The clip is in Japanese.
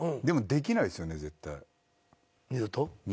でもできないですよね